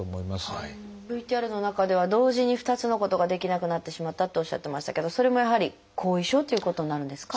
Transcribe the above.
ＶＴＲの中では同時に２つのことができなくなってしまったっておっしゃってましたけどそれもやはり後遺症ということになるんですか？